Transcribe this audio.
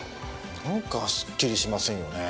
なんかすっきりしませんよね。